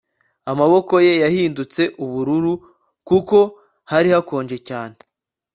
Amaboko ye yahindutse ubururu kuko hari hakonje cyane